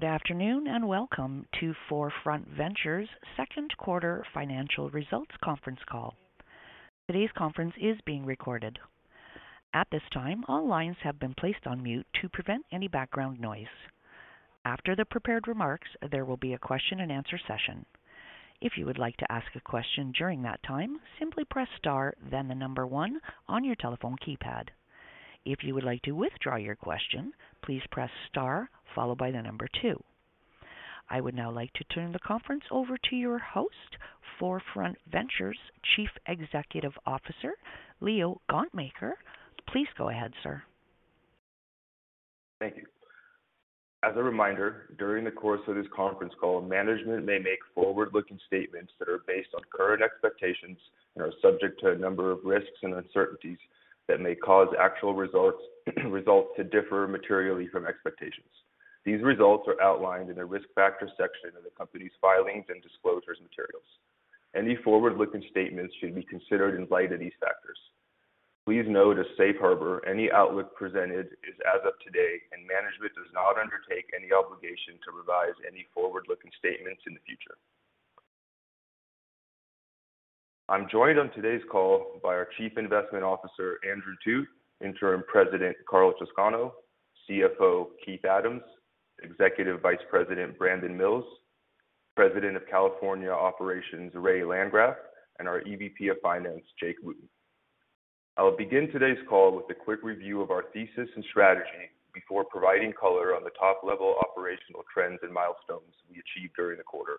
Good afternoon, and welcome to 4Front Ventures second quarter financial results conference call. Today's conference is being recorded. At this time, all lines have been placed on mute to prevent any background noise. After the prepared remarks, there will be a question and answer session. If you would like to ask a question during that time, simply press star then the number one on your telephone keypad. If you would like to withdraw your question, please press star followed by the number two. I would now like to turn the conference over to your host, 4Front Ventures Chief Executive Officer, Leo Gontmakher. Please go ahead, sir. Thank you. As a reminder, during the course of this conference call, management may make forward-looking statements that are based on current expectations and are subject to a number of risks and uncertainties that may cause actual results to differ materially from expectations. These results are outlined in the risk factor section in the company's filings and disclosures materials. Any forward-looking statements should be considered in light of these factors. Please note, as safe harbor, any outlook presented is as of today, and management does not undertake any obligation to revise any forward-looking statements in the future. I'm joined on today's call by our Chief Investment Officer, Andrew Thut, Interim President, Carlo Toscano, CFO, Keith Adams, Executive Vice President, Brandon Mills, President of California Operations, Ray Landgraf, and our EVP of Finance, Jake Wootten. I'll begin today's call with a quick review of our thesis and strategy before providing color on the top-level operational trends and milestones we achieved during the quarter.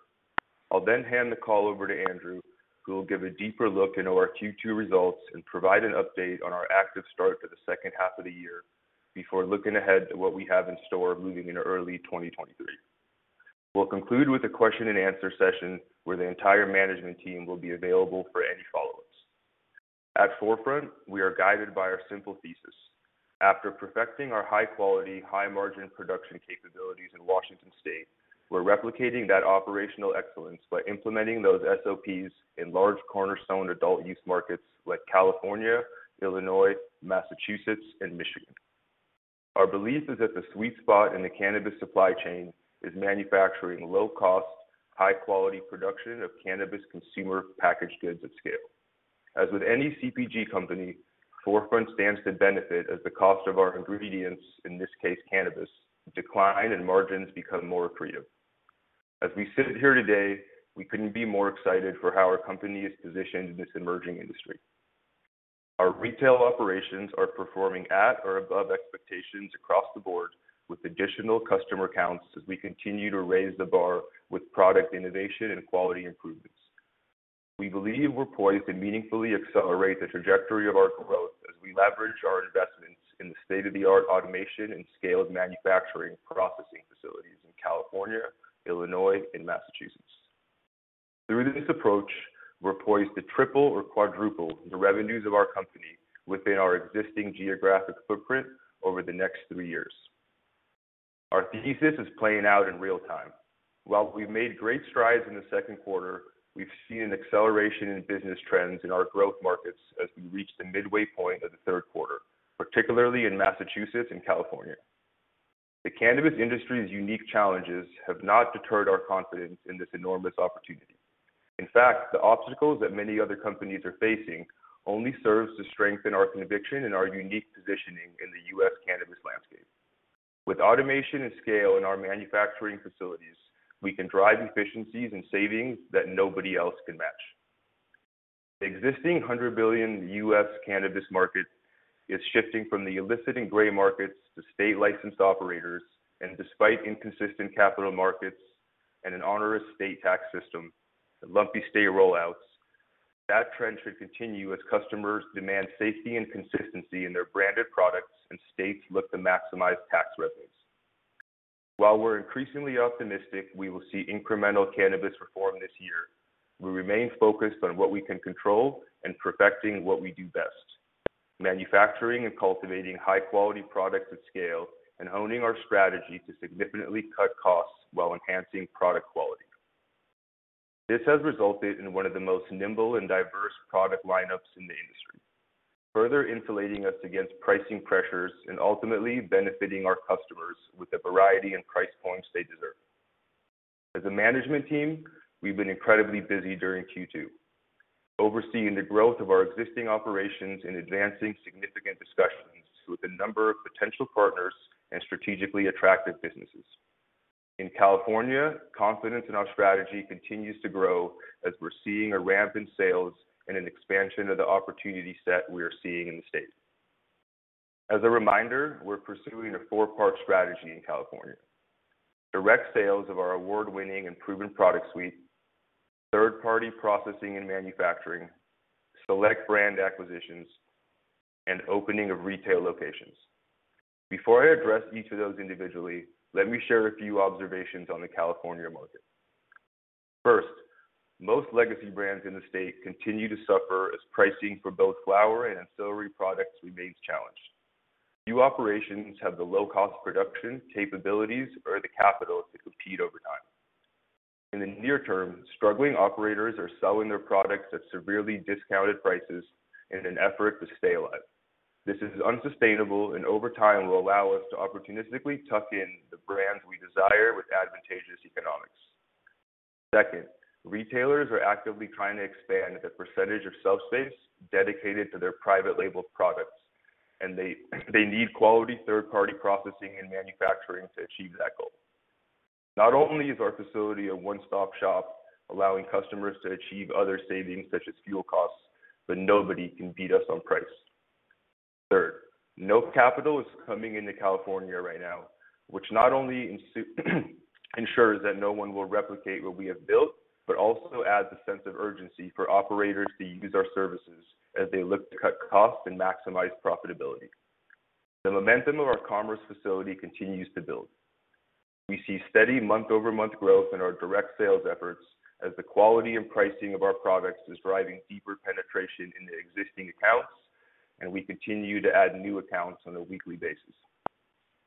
I'll then hand the call over to Andrew, who will give a deeper look into our Q2 results and provide an update on our active start to the second half of the year before looking ahead to what we have in store moving into early 2023. We'll conclude with a question and answer session where the entire management team will be available for any follow-ups. At 4Front, we are guided by our simple thesis. After perfecting our high-quality, high-margin production capabilities in Washington state, we're replicating that operational excellence by implementing those SOPs in large cornerstone adult use markets like California, Illinois, Massachusetts, and Michigan. Our belief is that the sweet spot in the cannabis supply chain is manufacturing low-cost, high-quality production of cannabis consumer packaged goods at scale. As with any CPG company, 4Front stands to benefit as the cost of our ingredients, in this case, cannabis, decline and margins become more accretive. As we sit here today, we couldn't be more excited for how our company is positioned in this emerging industry. Our retail operations are performing at or above expectations across the board with additional customer counts as we continue to raise the bar with product innovation and quality improvements. We believe we're poised to meaningfully accelerate the trajectory of our growth as we leverage our investments in the state-of-the-art automation and scale of manufacturing processing facilities in California, Illinois, and Massachusetts. Through this approach, we're poised to triple or quadruple the revenues of our company within our existing geographic footprint over the next three years. Our thesis is playing out in real time. While we've made great strides in the second quarter, we've seen an acceleration in business trends in our growth markets as we reach the midway point of the third quarter, particularly in Massachusetts and California. The cannabis industry's unique challenges have not deterred our confidence in this enormous opportunity. In fact, the obstacles that many other companies are facing only serves to strengthen our conviction and our unique positioning in the US cannabis landscape. With automation and scale in our manufacturing facilities, we can drive efficiencies and savings that nobody else can match. The existing $100 billion U.S. cannabis market is shifting from the illicit and gray markets to state licensed operators, and despite inconsistent capital markets and an onerous state tax system, the lumpy state rollouts, that trend should continue as customers demand safety and consistency in their branded products, and states look to maximize tax revenues. While we're increasingly optimistic we will see incremental cannabis reform this year, we remain focused on what we can control and perfecting what we do best, manufacturing and cultivating high-quality products at scale and honing our strategy to significantly cut costs while enhancing product quality. This has resulted in one of the most nimble and diverse product lineups in the industry, further insulating us against pricing pressures and ultimately benefiting our customers with the variety and price points they deserve. As a management team, we've been incredibly busy during Q2, overseeing the growth of our existing operations in advancing significant discussions with a number of potential partners and strategically attractive businesses. In California, confidence in our strategy continues to grow as we're seeing a ramp in sales and an expansion of the opportunity set we are seeing in the state. As a reminder, we're pursuing a four-part strategy in California. Direct sales of our award-winning and proven product suite, third-party processing and manufacturing, select brand acquisitions, and opening of retail locations. Before I address each of those individually, let me share a few observations on the California market. First, most legacy brands in the state continue to suffer as pricing for both flower and ancillary products remains challenged. New operations have the low cost production capabilities or the capital to compete over time. In the near term, struggling operators are selling their products at severely discounted prices in an effort to stay alive. This is unsustainable and over time will allow us to opportunistically tuck in the brands we desire with advantageous economics. Second, retailers are actively trying to expand the percentage of shelf space dedicated to their private label products, and they need quality third-party processing and manufacturing to achieve that goal. Not only is our facility a one-stop shop, allowing customers to achieve other savings such as fuel costs, but nobody can beat us on price. Third, no capital is coming into California right now, which not only ensures that no one will replicate what we have built, but also adds a sense of urgency for operators to use our services as they look to cut costs and maximize profitability. The momentum of our Commerce facility continues to build. We see steady month-over-month growth in our direct sales efforts as the quality and pricing of our products is driving deeper penetration into existing accounts, and we continue to add new accounts on a weekly basis.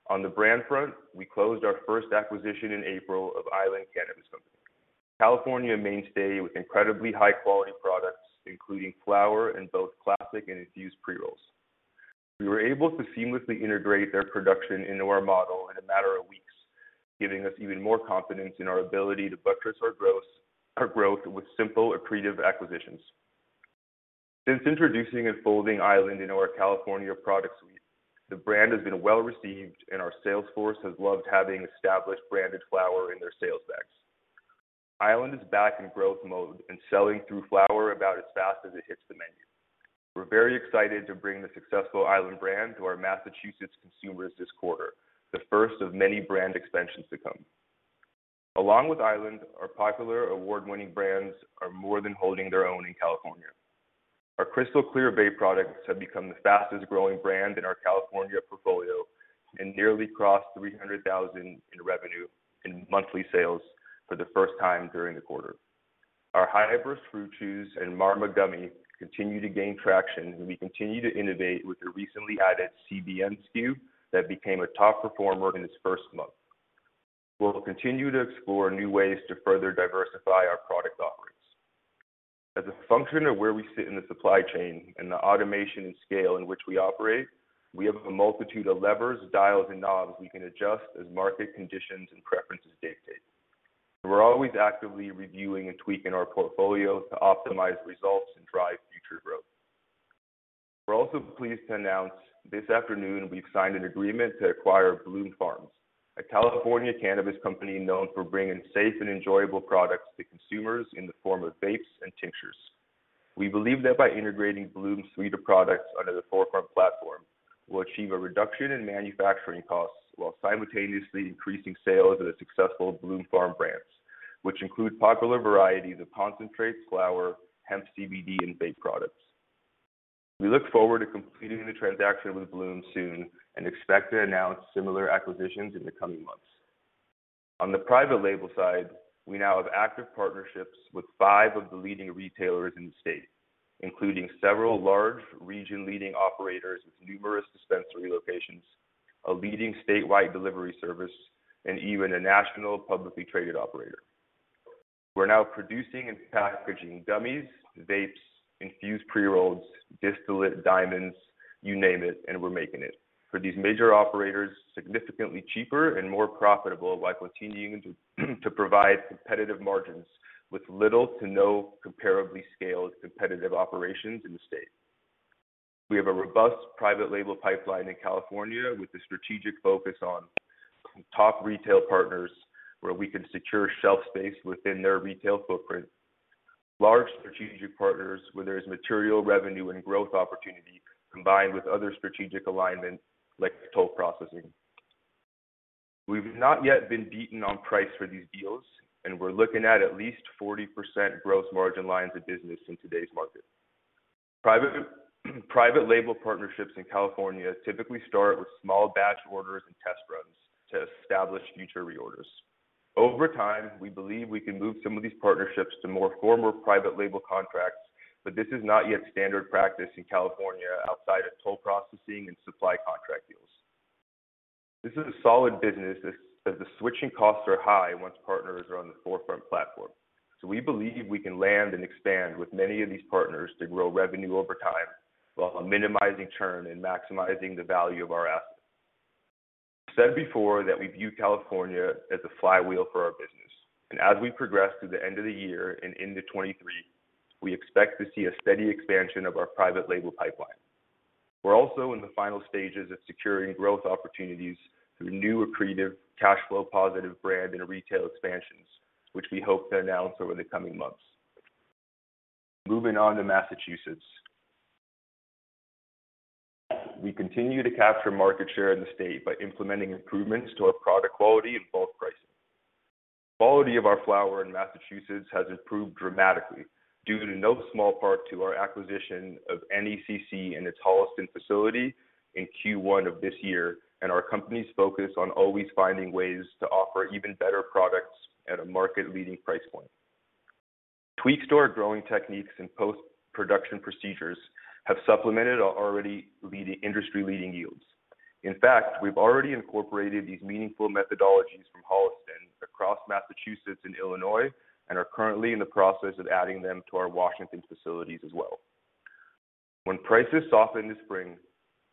On the brand front, we closed our first acquisition in April of Island Cannabis Co., California mainstay with incredibly high-quality products, including flower in both classic and infused pre-rolls. We were able to seamlessly integrate their production into our model in a matter of weeks, giving us even more confidence in our ability to buttress our growth with simple accretive acquisitions. Since introducing and folding Island into our California product suite, the brand has been well-received, and our sales force has loved having established branded flower in their sales decks. Island is back in growth mode and selling through flower about as fast as it hits the menu. We're very excited to bring the successful Island brand to our Massachusetts consumers this quarter, the first of many brand expansions to come. Along with Island, our popular award-winning brands are more than holding their own in California. Our Crystal Clear products have become the fastest-growing brand in our California portfolio and nearly crossed $300,000 in revenue in monthly sales for the first time during the quarter. Our Hybrid Fruit Chews and Marmas gummy continue to gain traction, and we continue to innovate with the recently added CBN SKU that became a top performer in its first month. We'll continue to explore new ways to further diversify our product offerings. As a function of where we sit in the supply chain and the automation and scale in which we operate, we have a multitude of levers, dials, and knobs we can adjust as market conditions and preferences dictate. We're always actively reviewing and tweaking our portfolio to optimize results and drive future growth. We're also pleased to announce this afternoon we've signed an agreement to acquire Bloom Farms, a California cannabis company known for bringing safe and enjoyable products to consumers in the form of vapes and tinctures. We believe that by integrating Bloom's suite of products under the 4Front platform, we'll achieve a reduction in manufacturing costs while simultaneously increasing sales of the successful Bloom Farms brands, which include popular varieties of concentrates, flower, hemp, CBD, and vape products. We look forward to completing the transaction with Bloom soon and expect to announce similar acquisitions in the coming months. On the private label side, we now have active partnerships with five of the leading retailers in the state, including several large region-leading operators with numerous dispensary locations, a leading statewide delivery service, and even a national publicly traded operator. We're now producing and packaging gummies, vapes, infused pre-rolls, distillate, diamonds, you name it, and we're making it for these major operators significantly cheaper and more profitable while continuing to provide competitive margins with little to no comparably scaled competitive operations in the state. We have a robust private label pipeline in California with a strategic focus on top retail partners where we can secure shelf space within their retail footprint. Large strategic partners where there is material revenue and growth opportunity combined with other strategic alignment like toll processing. We've not yet been beaten on price for these deals, and we're looking at at least 40% gross margin lines of business in today's market. Private label partnerships in California typically start with small batch orders and test runs to establish future reorders. Over time, we believe we can move some of these partnerships to more formal private label contracts, but this is not yet standard practice in California outside of toll processing and supply contract deals. This is a solid business as the switching costs are high once partners are on the 4Front platform. We believe we can land and expand with many of these partners to grow revenue over time while minimizing churn and maximizing the value of our assets. We said before that we view California as a flywheel for our business, and as we progress through the end of the year and into 2023, we expect to see a steady expansion of our private label pipeline. We're also in the final stages of securing growth opportunities through new accretive cash flow positive brand and retail expansions, which we hope to announce over the coming months. Moving on to Massachusetts. We continue to capture market share in the state by implementing improvements to our product quality and bulk pricing. Quality of our flower in Massachusetts has improved dramatically due in no small part to our acquisition of NECC and its Holliston facility in Q1 of this year and our company's focus on always finding ways to offer even better products at a market-leading price point. Tissue culture growing techniques and post-production procedures have supplemented our already leading, industry-leading yields. In fact, we've already incorporated these meaningful methodologies from Holliston across Massachusetts and Illinois, and are currently in the process of adding them to our Washington facilities as well. When prices softened this spring,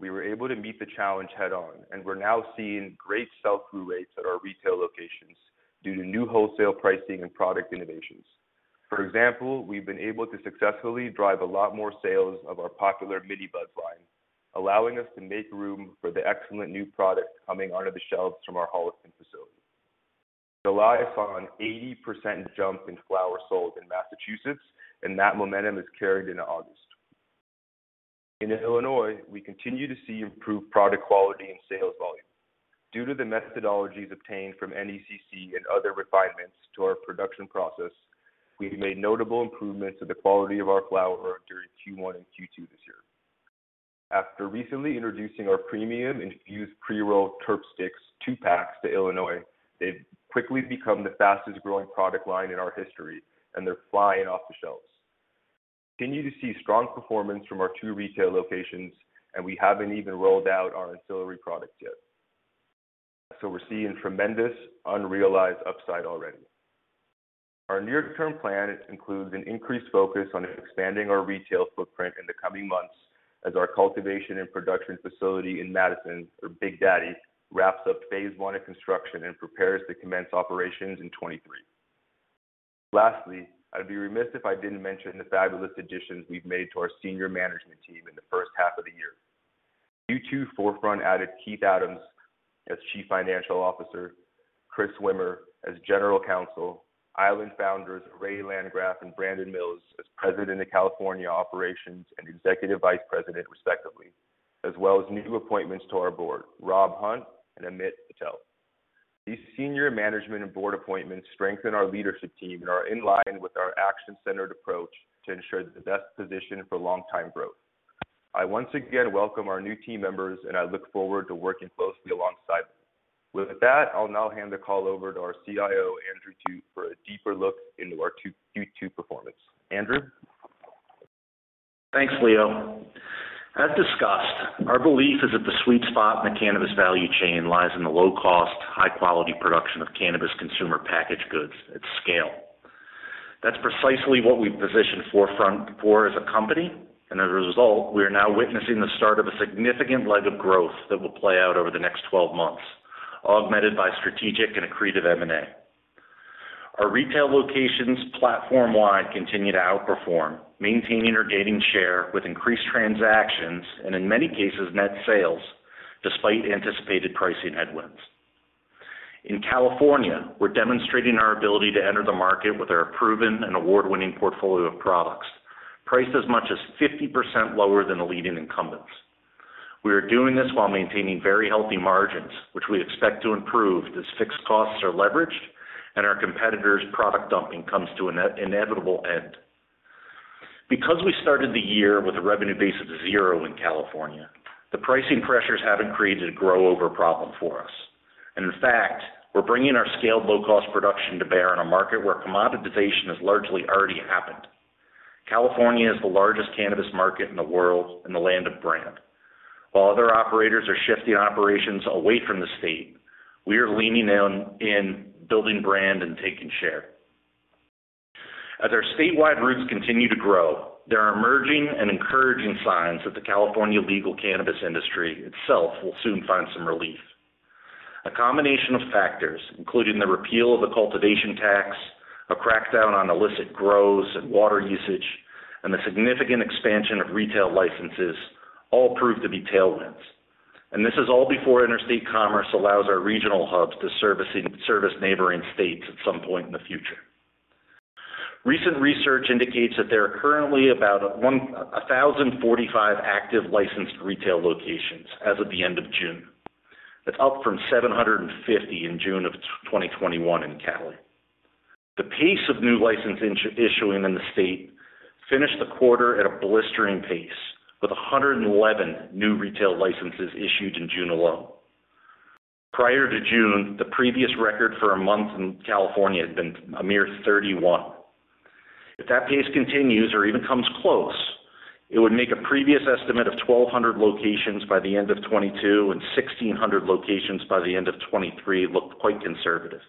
we were able to meet the challenge head-on, and we're now seeing great sell-through rates at our retail locations due to new wholesale pricing and product innovations. For example, we've been able to successfully drive a lot more sales of our popular Mini Buds line, allowing us to make room for the excellent new product coming onto the shelves from our Holliston facility. July saw an 80% jump in flower sold in Massachusetts, and that momentum has carried into August. In Illinois, we continue to see improved product quality and sales volume. Due to the methodologies obtained from NECC and other refinements to our production process, we've made notable improvements to the quality of our flower during Q1 and Q2 this year. After recently introducing our premium infused pre-rolled Terp Sticks 2-packs to Illinois, they've quickly become the fastest-growing product line in our history, and they're flying off the shelves. We continue to see strong performance from our two retail locations, and we haven't even rolled out our ancillary products yet. We're seeing tremendous unrealized upside already. Our near-term plan includes an increased focus on expanding our retail footprint in the coming months as our cultivation and production facility in Matteson, or Big Daddy, wraps up phase one of construction and prepares to commence operations in 2023. Lastly, I'd be remiss if I didn't mention the fabulous additions we've made to our senior management team in the first half of the year. Q2 4Front added Keith Adams as Chief Financial Officer, Chris Wimmer as General Counsel, Island founders Ray Landgraf and Brandon Mills as President of California Operations and Executive Vice President, respectively, as well as new appointments to our board, Rob Hunt and Amit Patel. These senior management and board appointments strengthen our leadership team and are in line with our action-centered approach to ensure the best position for long-term growth. I once again welcome our new team members, and I look forward to working closely alongside them. With that, I'll now hand the call over to our CIO, Andrew Thut, for a deeper look into our Q2 performance. Andrew? Thanks, Leo. As discussed, our belief is that the sweet spot in the cannabis value chain lies in the low-cost, high-quality production of cannabis consumer packaged goods at scale. That's precisely what we've positioned 4Front for as a company, and as a result, we are now witnessing the start of a significant leg of growth that will play out over the next 12 months, augmented by strategic and accretive M&A. Our retail locations platform-wide continue to outperform, maintaining or gaining share with increased transactions, and in many cases, net sales, despite anticipated pricing headwinds. In California, we're demonstrating our ability to enter the market with our proven and award-winning portfolio of products, priced as much as 50% lower than the leading incumbents. We are doing this while maintaining very healthy margins, which we expect to improve as fixed costs are leveraged and our competitors' product dumping comes to an inevitable end. Because we started the year with a revenue base of zero in California, the pricing pressures haven't created a grow-over problem for us. In fact, we're bringing our scaled low-cost production to bear in a market where commoditization has largely already happened. California is the largest cannabis market in the world and the land of brand. While other operators are shifting operations away from the state, we are leaning in building brand and taking share. As our statewide roots continue to grow, there are emerging and encouraging signs that the California legal cannabis industry itself will soon find some relief. A combination of factors, including the repeal of the cultivation tax, a crackdown on illicit grows and water usage, and the significant expansion of retail licenses all prove to be tailwinds. This is all before interstate commerce allows our regional hubs to service neighboring states at some point in the future. Recent research indicates that there are currently about 1,045 active licensed retail locations as of the end of June. That's up from 750 in June of 2021 in California. The pace of new license issuing in the state finished the quarter at a blistering pace, with 111 new retail licenses issued in June alone. Prior to June, the previous record for a month in California had been a mere 31. If that pace continues or even comes close, it would make a previous estimate of 1,200 locations by the end of 2022 and 1,600 locations by the end of 2023 look quite conservative.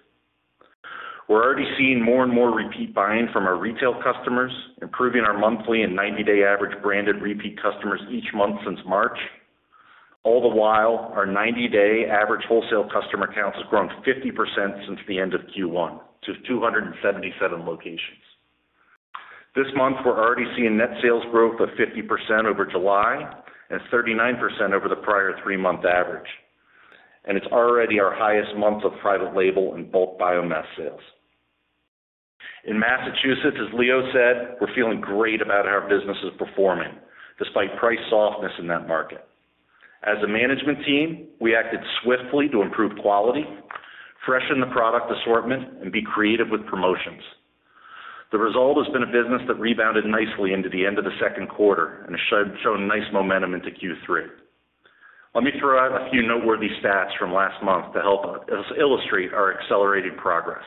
We're already seeing more and more repeat buying from our retail customers, improving our monthly and 90-day average branded repeat customers each month since March. All the while, our 90-day average wholesale customer count has grown 50% since the end of Q1 to 277 locations. This month, we're already seeing net sales growth of 50% over July and 39% over the prior three month average. It's already our highest month of private label and bulk biomass sales. In Massachusetts, as Leo said, we're feeling great about how our business is performing despite price softness in that market. As a management team, we acted swiftly to improve quality, freshen the product assortment, and be creative with promotions. The result has been a business that rebounded nicely into the end of the second quarter and has shown nice momentum into Q3. Let me throw out a few noteworthy stats from last month to help us illustrate our accelerated progress.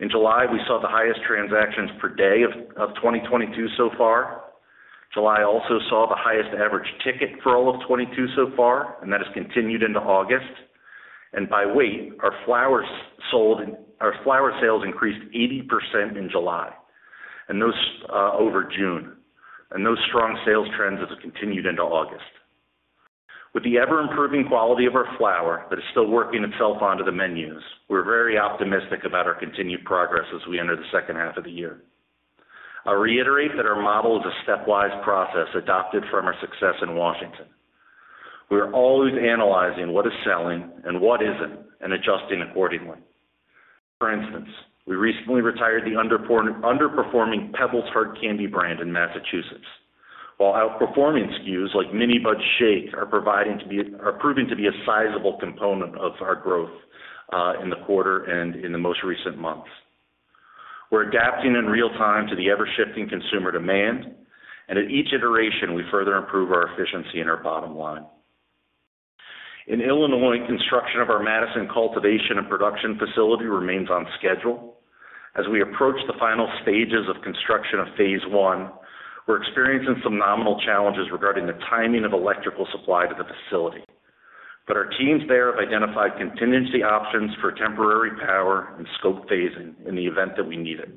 In July, we saw the highest transactions per day of 2022 so far. July also saw the highest average ticket for all of 2022 so far, and that has continued into August. By weight, our flower sales increased 80% in July over June, and those strong sales trends have continued into August. With the ever-improving quality of our flower that is still working itself onto the menus, we're very optimistic about our continued progress as we enter the second half of the year. I reiterate that our model is a stepwise process adopted from our success in Washington. We are always analyzing what is selling and what isn't, and adjusting accordingly. For instance, we recently retired the underperforming Pebbles Heart Candy brand in Massachusetts. While outperforming SKUs like Mini Bud Shake are proving to be a sizable component of our growth in the quarter and in the most recent months. We're adapting in real time to the ever-shifting consumer demand, and at each iteration, we further improve our efficiency and our bottom line. In Illinois, construction of our Matteson cultivation and production facility remains on schedule. As we approach the final stages of construction of phase one, we're experiencing some nominal challenges regarding the timing of electrical supply to the facility. Our teams there have identified contingency options for temporary power and scope phasing in the event that we need it.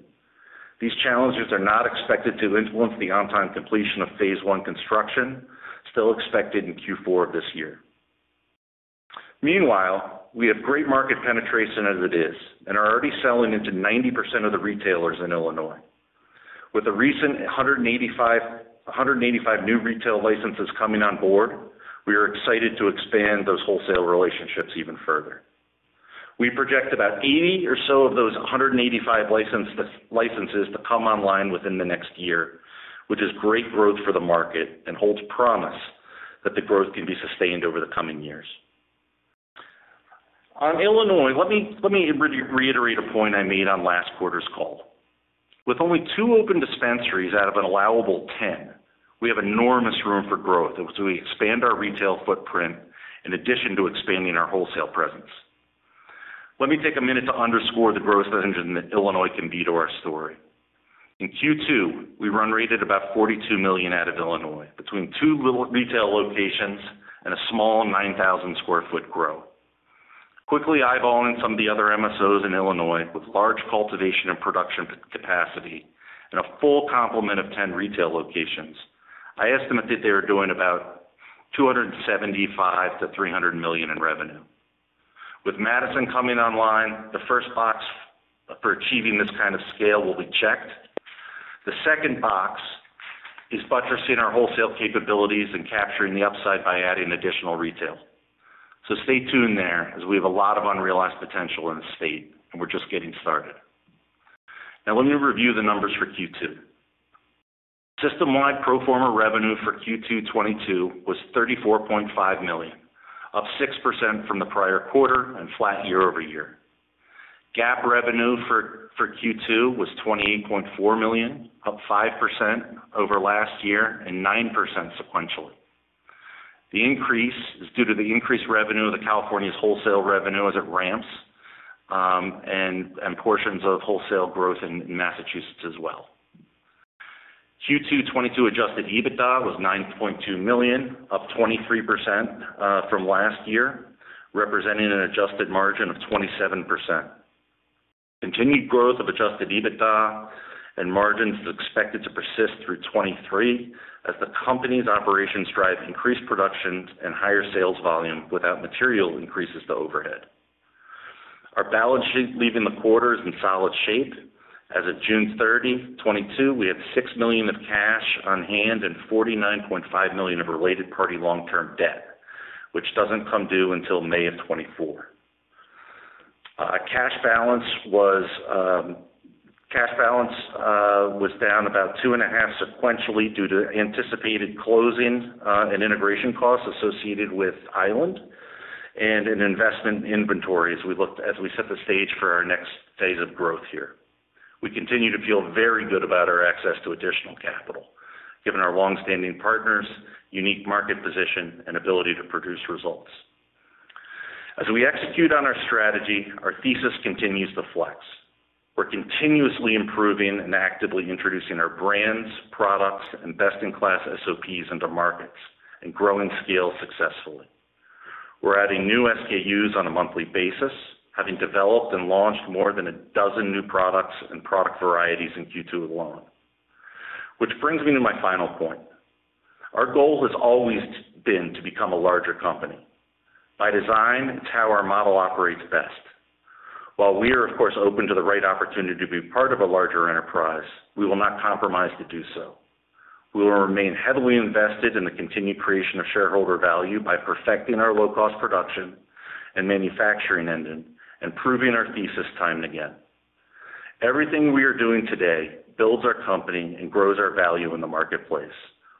These challenges are not expected to influence the on-time completion of phase one construction, still expected in Q4 of this year. Meanwhile, we have great market penetration as it is and are already selling into 90% of the retailers in Illinois. With the recent 185 new retail licenses coming on board, we are excited to expand those wholesale relationships even further. We project about 80 or so of those 185 licenses to come online within the next year, which is great growth for the market and holds promise that the growth can be sustained over the coming years. On Illinois, let me reiterate a point I made on last quarter's call. With only two open dispensaries out of an allowable 10, we have enormous room for growth as we expand our retail footprint in addition to expanding our wholesale presence. Let me take a minute to underscore the growth engine that Illinois can be to our story. In Q2, we generated about $42 million out of Illinois between two retail locations and a small 9,000 square foot grow. Quickly eyeballing some of the other MSOs in Illinois with large cultivation and production capacity and a full complement of 10 retail locations, I estimate that they are doing about $275 million-$300 million in revenue. With Matteson coming online, the first box for achieving this kind of scale will be checked. The second box is buttressing our wholesale capabilities and capturing the upside by adding additional retail. Stay tuned there as we have a lot of unrealized potential in the state, and we're just getting started. Now, let me review the numbers for Q2. System-wide pro forma revenue for Q2 2022 was $34.5 million, up 6% from the prior quarter and flat year-over-year. GAAP revenue for Q2 was $28.4 million, up 5% over last year and 9% sequentially. The increase is due to the increased revenue of the California's wholesale revenue as it ramps, and portions of wholesale growth in Massachusetts as well. Q2 2022 adjusted EBITDA was $9.2 million, up 23%, from last year, representing an adjusted margin of 27%. Continued growth of adjusted EBITDA and margins is expected to persist through 2023 as the company's operations drive increased production and higher sales volume without material increases to overhead. Our balance sheet leaving the quarter is in solid shape. As of June 30, 2022, we have $6 million of cash on hand and $49.5 million of related party long-term debt, which doesn't come due until May of 2024. Cash balance was down about $2.5 sequentially due to anticipated closing and integration costs associated with Island and an investment in inventory as we set the stage for our next phase of growth here. We continue to feel very good about our access to additional capital, given our long-standing partners, unique market position, and ability to produce results. As we execute on our strategy, our thesis continues to flex. We're continuously improving and actively introducing our brands, products, and best-in-class SOPs into markets and growing scale successfully. We're adding new SKUs on a monthly basis, having developed and launched more than a dozen new products and product varieties in Q2 alone. Which brings me to my final point. Our goal has always been to become a larger company. By design, it's how our model operates best. While we are, of course, open to the right opportunity to be part of a larger enterprise, we will not compromise to do so. We will remain heavily invested in the continued creation of shareholder value by perfecting our low-cost production and manufacturing engine, and proving our thesis time and again. Everything we are doing today builds our company and grows our value in the marketplace,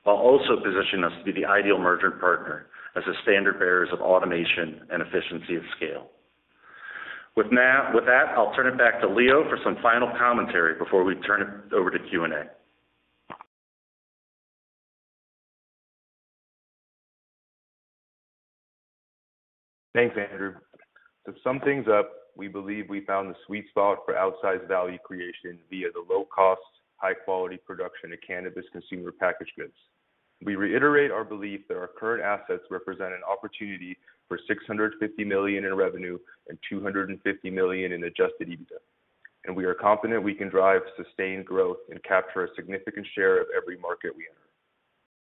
while also positioning us to be the ideal merger partner as the standard-bearers of automation and efficiency at scale. With that, I'll turn it back to Leo for some final commentary before we turn it over to Q&A. Thanks, Andrew. To sum things up, we believe we found the sweet spot for outsized value creation via the low-cost, high-quality production of cannabis consumer packaged goods. We reiterate our belief that our current assets represent an opportunity for $650 million in revenue and $250 million in adjusted EBITDA. We are confident we can drive sustained growth and capture a significant share of every market we enter.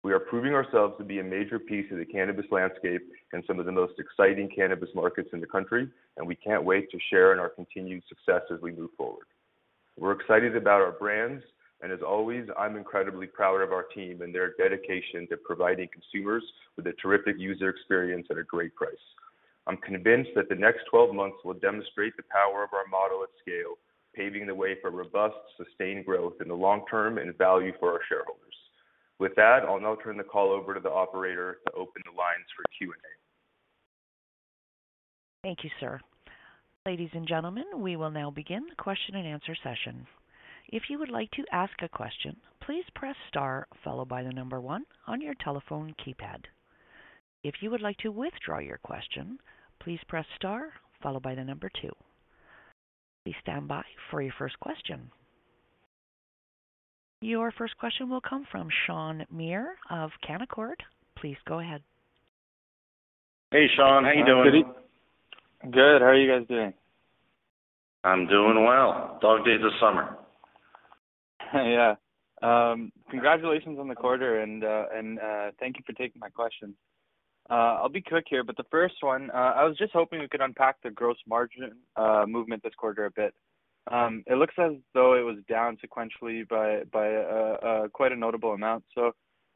We are proving ourselves to be a major piece of the cannabis landscape in some of the most exciting cannabis markets in the country, and we can't wait to share in our continued success as we move forward. We're excited about our brands, and as always, I'm incredibly proud of our team and their dedication to providing consumers with a terrific user experience at a great price. I'm convinced that the next 12 months will demonstrate the power of our model at scale, paving the way for robust, sustained growth in the long term and value for our shareholders. With that, I'll now turn the call over to the operator to open the lines for Q&A. Thank you, sir. Ladies and gentlemen, we will now begin the question-and-answer session. If you would like to ask a question, please press star followed by the number one on your telephone keypad. If you would like to withdraw your question, please press star followed by the number two. Please stand by for your first question. Your first question will come from Sean Muir of Canaccord. Please go ahead. Hey, Sean, how you doing? Good. How are you guys doing? I'm doing well. Dog days of summer. Yeah. Congratulations on the quarter and thank you for taking my question. I'll be quick here, but the first one, I was just hoping we could unpack the gross margin movement this quarter a bit. It looks as though it was down sequentially by quite a notable amount.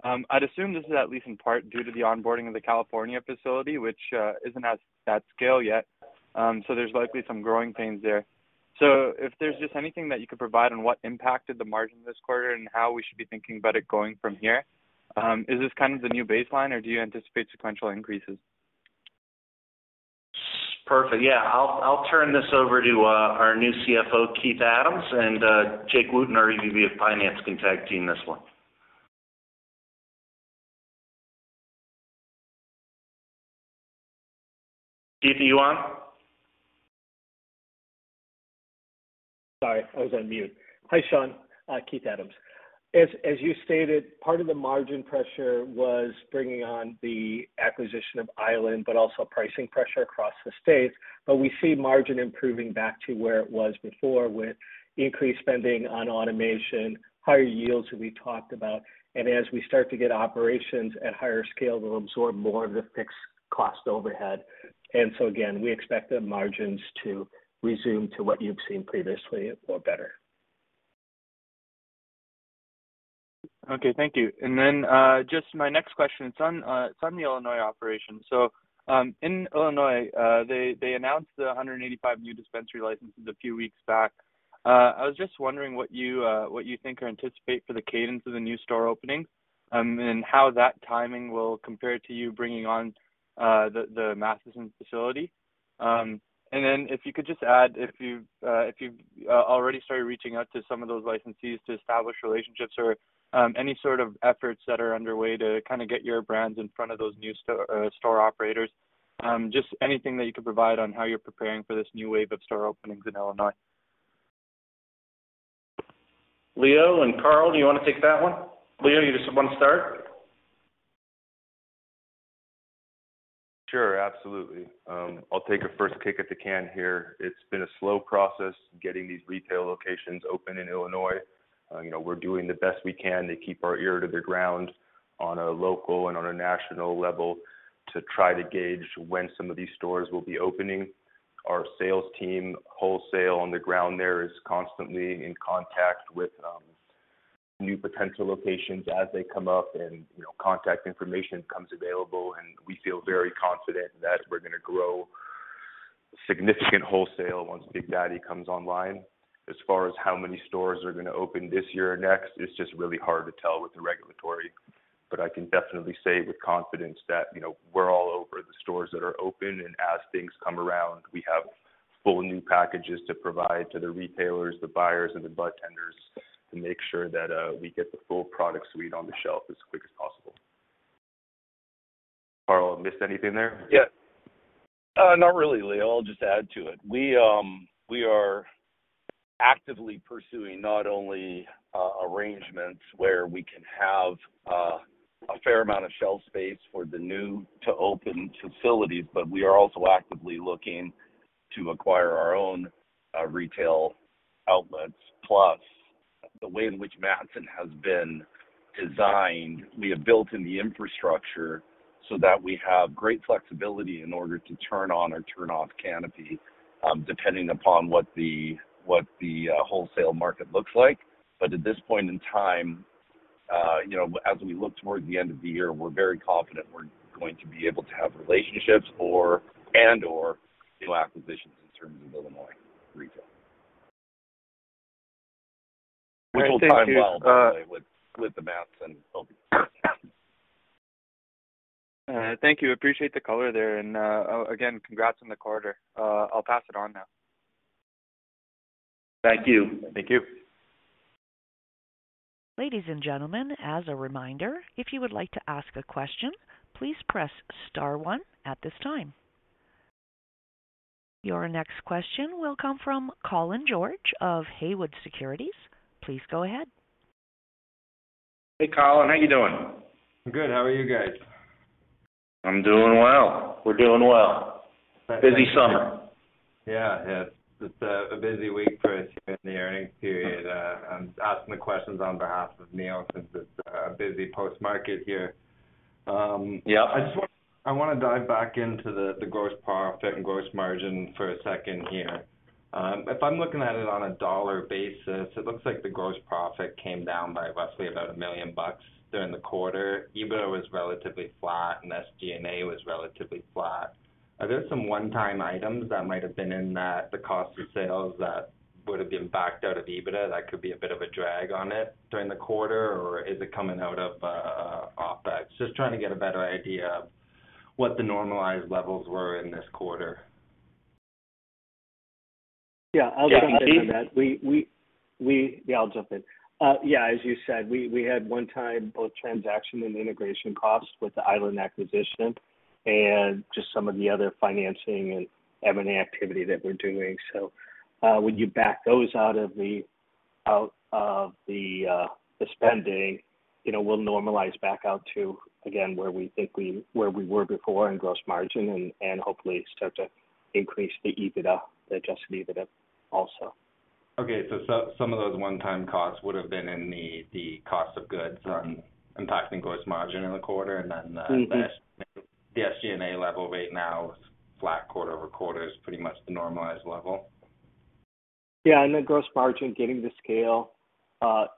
I'd assume this is at least in part due to the onboarding of the California facility, which isn't at that scale yet. There's likely some growing pains there. If there's just anything that you could provide on what impacted the margin this quarter and how we should be thinking about it going from here. Is this kind of the new baseline, or do you anticipate sequential increases? Perfect. Yeah. I'll turn this over to our new CFO, Keith Adams, and Jake Wootten, our EVP of Finance, can tag team this one. Keith, are you on? Sorry, I was on mute. Hi, Sean. Keith Adams. As you stated, part of the margin pressure was bringing on the acquisition of Island, but also pricing pressure across the state. We see margin improving back to where it was before with increased spending on automation, higher yields that we talked about. As we start to get operations at higher scale, we'll absorb more of the fixed cost overhead. Again, we expect the margins to resume to what you've seen previously or better. Okay, thank you. Just my next question, it's on the Illinois operation. In Illinois, they announced the 185 new dispensary licenses a few weeks back. I was just wondering what you think or anticipate for the cadence of the new store openings, and how that timing will compare to you bringing on the Matteson facility. If you could just add if you've already started reaching out to some of those licensees to establish relationships or any sort of efforts that are underway to kinda get your brands in front of those new store operators. Just anything that you could provide on how you're preparing for this new wave of store openings in Illinois. Leo and Karl, do you wanna take that one? Leo, you just want to start? Sure. Absolutely. I'll take a first kick at the can here. It's been a slow process getting these retail locations open in Illinois. You know, we're doing the best we can to keep our ear to the ground on a local and on a national level to try to gauge when some of these stores will be opening. Our sales team, wholesale on the ground there, is constantly in contact with new potential locations as they come up and, you know, contact information becomes available, and we feel very confident that we're gonna grow significant wholesale once Big Daddy comes online. As far as how many stores are gonna open this year or next, it's just really hard to tell with the regulatory. I can definitely say with confidence that, you know, we're all over the stores that are open, and as things come around, we have full new packages to provide to the retailers, the buyers, and the bud tenders to make sure that, we get the full product suite on the shelf as quick as possible. Karl, I missed anything there? Yeah. Not really, Leo. I'll just add to it. We are actively pursuing not only arrangements where we can have a fair amount of shelf space for the new to open facilities, but we are also actively looking to acquire our own retail outlets. Plus, the way in which Matteson has been designed, we have built in the infrastructure so that we have great flexibility in order to turn on or turn off canopy depending upon what the wholesale market looks like. At this point in time, you know, as we look toward the end of the year, we're very confident we're going to be able to have relationships or and/or new acquisitions in terms of Illinois retail. Originally, well, actually, with the math and Thank you. Appreciate the color there and, again, congrats on the quarter. I'll pass it on now. Thank you. Thank you. Ladies and gentlemen, as a reminder, if you would like to ask a question, please press star one at this time. Your next question will come from Colin George of Haywood Securities. Please go ahead. Hey, Colin, how you doing? I'm good. How are you guys? I'm doing well. We're doing well. Busy summer. Yeah. It's a busy week for us here in the earnings period. I'm asking the questions on behalf of Neil since it's a busy post-market here. Yeah. I wanna dive back into the gross profit and gross margin for a second here. If I'm looking at it on a dollar basis, it looks like the gross profit came down by roughly about $1 million during the quarter. EBITDA was relatively flat, and SG&A was relatively flat. Are there some one-time items that might have been in that, the cost of sales that would have been backed out of EBITDA that could be a bit of a drag on it during the quarter, or is it coming out of OpEx? Just trying to get a better idea of what the normalized levels were in this quarter. Yeah. I'll jump in on that. Yeah, as you said, we had one-time both transaction and integration costs with the Island acquisition and just some of the other financing and M&A activity that we're doing. When you back those out of the spending, we'll normalize back out to, again, where we were before in gross margin and hopefully start to increase the EBITDA, the adjusted EBITDA also. Some of those one-time costs would have been in the cost of goods- Mm-hmm. Impacting gross margin in the quarter and then, Mm-hmm. The SG&A level right now is flat quarter-over-quarter. It is pretty much the normalized level. Yeah. The gross margin, getting the scale,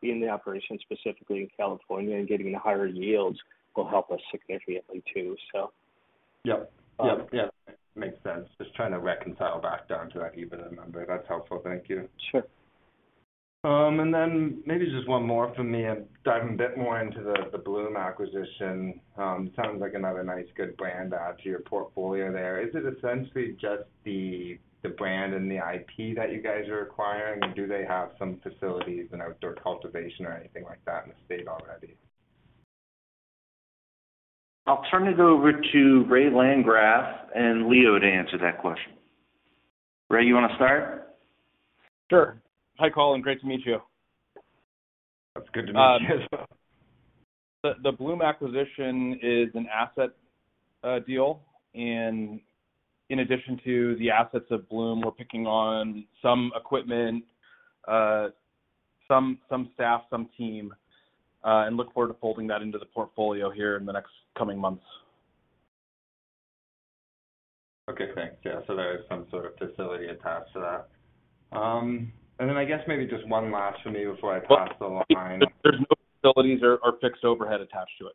in the operation, specifically in California, and getting the higher yields will help us significantly too, so. Yep. Yep. Yeah. Makes sense. Just trying to reconcile back down to that EBITDA number. That's helpful. Thank you. Sure. And then maybe just one more from me and diving a bit more into the Bloom acquisition. Sounds like another nice good brand add to your portfolio there. Is it essentially just the brand and the IP that you guys are acquiring, or do they have some facilities and outdoor cultivation or anything like that in the state already? I'll turn it over to Ray Landgraf and Leo to answer that question. Ray, you wanna start? Sure. Hi, Colin. Great to meet you. It's good to meet you as well. The Bloom acquisition is an asset deal, and in addition to the assets of Bloom, we're picking up some equipment, some staff, some team, and look forward to folding that into the portfolio here in the next coming months. Okay, thanks. Yeah. There is some sort of facility attached to that. I guess maybe just one last from me before I pass the line. There's no facilities or fixed overhead attached to it.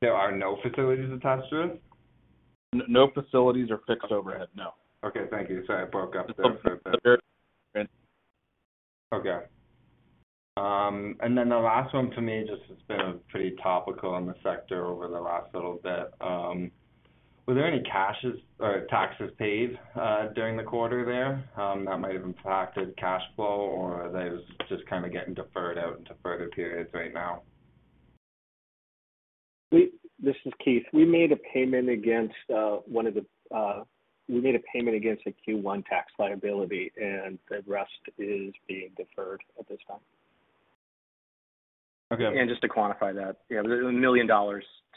There are no facilities attached to it? No facilities or fixed overhead, no. Okay. Thank you. Sorry, I broke up there for a second. Okay. The last one for me just has been pretty topical in the sector over the last little bit. Were there any cash or taxes paid during the quarter there that might have impacted cash flow, or are those just kind of getting deferred out into further periods right now? This is Keith. We made a payment against a Q1 tax liability, and the rest is being deferred at this time. Okay. Just to quantify that, yeah, there's $1 million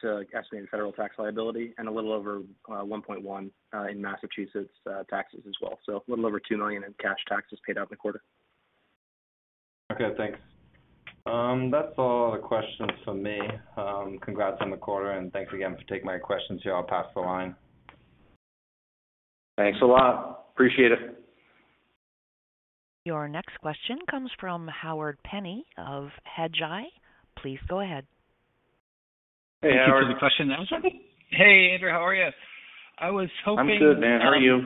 in estimated federal tax liability and a little over $1.1 million in Massachusetts taxes as well. A little over $2 million in cash taxes paid out in the quarter. Okay, thanks. That's all the questions from me. Congrats on the quarter, and thanks again for taking my questions here. I'll pass the line. Thanks a lot. Appreciate it. Your next question comes from Howard Penney of Hedgeye. Please go ahead. Hey, Howard. Thank you for the question. That was you? Hey, Andrew. How are you? I was hoping- I'm good, man. How are you?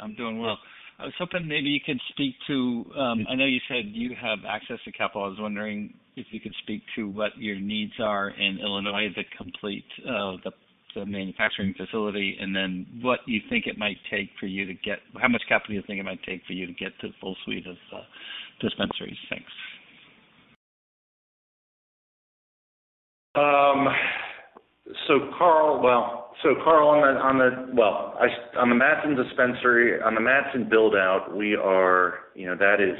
I'm doing well. I was hoping maybe you could speak to. I know you said you have access to capital. I was wondering if you could speak to what your needs are in Illinois to complete the manufacturing facility, and then what you think it might take for you to get. How much capital do you think it might take for you to get to the full suite of dispensaries? Thanks. Carlo, on the Madison dispensary, on the Madison build-out, we are, you know, that is,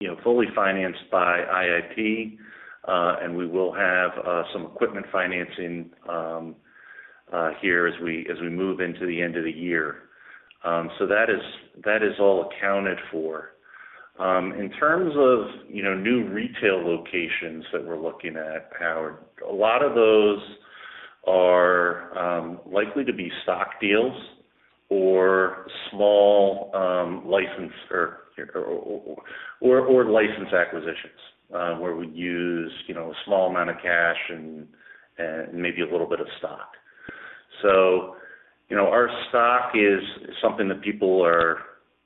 you know, fully financed by IIP, and we will have some equipment financing here as we move into the end of the year. That is all accounted for. In terms of, you know, new retail locations that we're looking at, Howard, a lot of those are likely to be stock deals or small license acquisitions, where we use, you know, a small amount of cash and maybe a little bit of stock. You know, our stock is something that people are,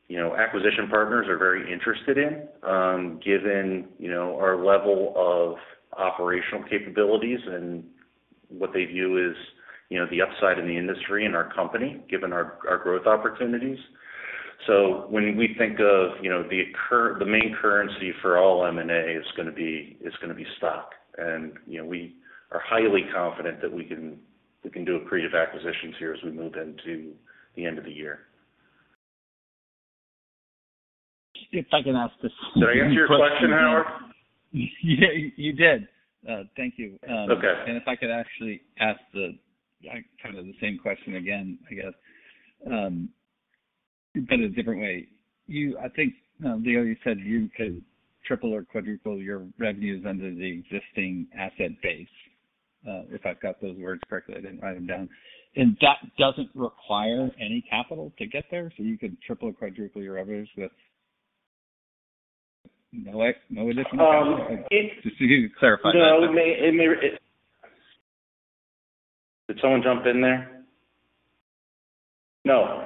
you know, acquisition partners are very interested in, given, you know, our level of operational capabilities and what they view as, you know, the upside in the industry and our company, given our growth opportunities. When we think of, you know, the main currency for all M&A is gonna be stock. You know, we are highly confident that we can do accretive acquisitions here as we move into the end of the year. If I can ask this. Did I answer your question, Howard? Yeah, you did. Thank you. Okay. If I could actually ask the, like, kind of the same question again, I guess, but a different way. I think, Leo, you said you could triple or quadruple your revenues under the existing asset base, if I've got those words correctly, I didn't write them down. That doesn't require any capital to get there, so you could triple or quadruple your revenues with no additional capital? Um, it- Just so you can clarify that. No, it may. Did someone jump in there? No.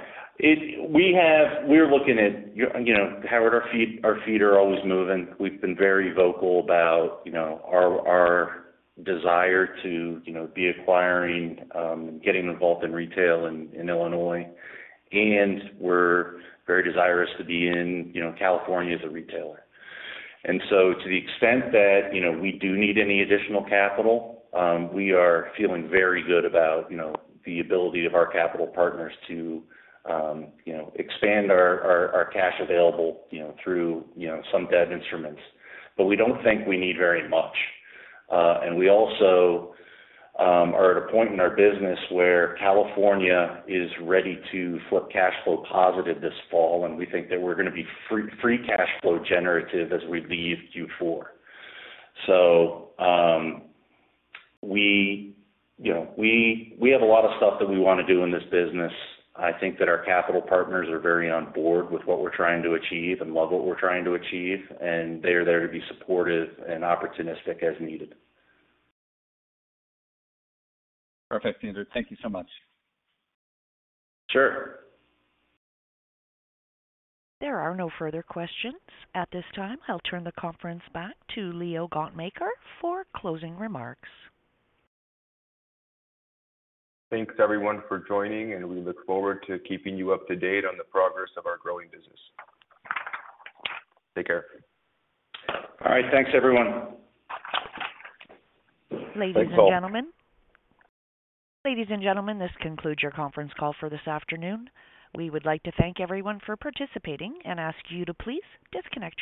We're looking at, you know, Howard, our feet are always moving. We've been very vocal about, you know, our desire to, you know, be acquiring, getting involved in retail in Illinois. We're very desirous to be in, you know, California as a retailer. To the extent that, you know, we do need any additional capital, we are feeling very good about, you know, the ability of our capital partners to, you know, expand our cash available, you know, through some debt instruments. We don't think we need very much. We also are at a point in our business where California is ready to flip cash flow positive this fall, and we think that we're gonna be free cash flow generative as we leave Q4. You know, we have a lot of stuff that we wanna do in this business. I think that our capital partners are very on board with what we're trying to achieve and love what we're trying to achieve, and they are there to be supportive and opportunistic as needed. Perfect, Andrew. Thank you so much. Sure. There are no further questions. At this time, I'll turn the conference back to Leo Gontmakher for closing remarks. Thanks, everyone, for joining, and we look forward to keeping you up to date on the progress of our growing business. Take care. All right. Thanks, everyone. Ladies and gentlemen. Thanks, all. Ladies and gentlemen, this concludes your conference call for this afternoon. We would like to thank everyone for participating and ask you to please disconnect your lines.